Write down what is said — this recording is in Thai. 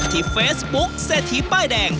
ที่เฟซบุ๊คเศรษฐีป้ายแดง